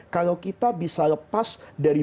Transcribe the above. kalau kita bisa lepas dari